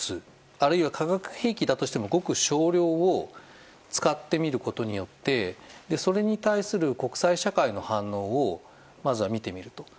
あるいは化学兵器だとしてもごく少量を使ってみることによってそれに対する国際社会の反応をまずは見てみると。